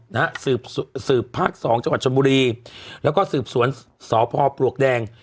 นะฮะสืบสืบภาคสองจังหวัดชนบุรีแล้วก็สืบสวนสพปลวกแดง